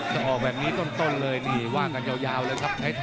ออกแบบนี้ต้นเลยนี่ว่ากันยาวเลยครับ